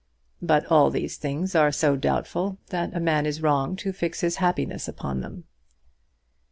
"But all these things are so doubtful that a man is wrong to fix his happiness upon them."